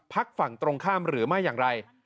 ฝั่งตรงข้ามหรือไม่อย่างไร